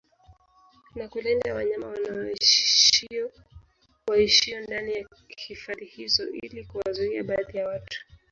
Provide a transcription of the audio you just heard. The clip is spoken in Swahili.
Na kulinda wanyama waishio ndani ya hifadhi hizo ili kuwazuia baadhi ya watu